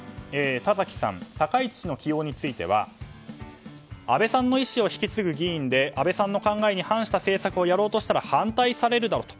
田崎さん高市氏の起用については安倍さんの意思を引き継ぐ議員で安倍さんの考えに反した政策をやろうとしたら反対されるだろうと。